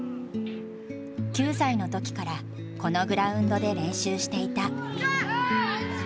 ９歳の時からこのグラウンドで練習していた。